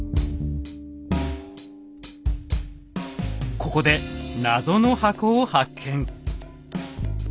ここでナゾの箱を発見。